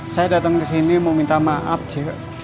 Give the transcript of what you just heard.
saya datang disini mau minta maaf cik